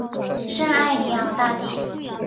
圣艾尼昂大地。